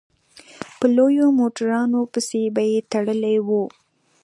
په لویو موټرانو پسې به يې تړلي وو.